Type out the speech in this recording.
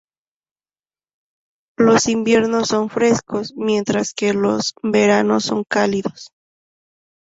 Los inviernos son frescos, mientras que los veranos son cálidos.